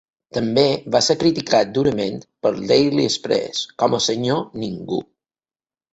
També va ser criticat durament pel "Daily Express" com a "Senyor Ningú".